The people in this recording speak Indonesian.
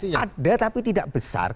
ada tapi tidak besar